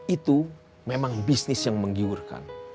itu memang bisnis yang menggiurkan